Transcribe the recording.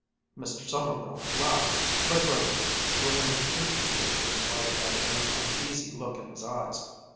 '" Mr. Sommerville laughed, but grudgingly, with an impatient shake of his white head and an uneasy look in his eyes.